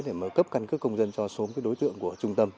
để mà cấp căn cước công dân cho số đối tượng của trung tâm